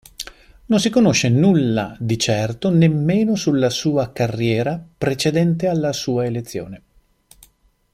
Non si conosce nulla di certo nemmeno sulla sua carriera precedente alla sua elezione.